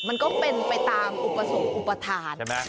มันก็เป็นไปตามอุปสรรคอุปทาน